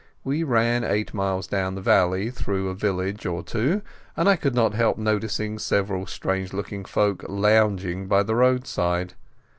We ran eight miles down the valley, through a village or two, and I could not help noticing several strange looking folk lounging by the roadside.